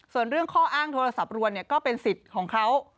ส่วนเรื่องข้ออ้างโทรศัพท์รวมก็เป็นสิทธิ์ของเขา